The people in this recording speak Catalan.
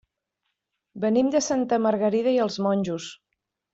Venim de Santa Margarida i els Monjos.